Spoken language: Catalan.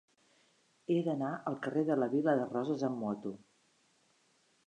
He d'anar al carrer de la Vila de Roses amb moto.